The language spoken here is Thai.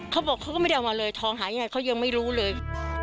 เขาบอกเขาก็ไม่ได้เอามาเลยทองหายังไงเขายังไม่รู้เลย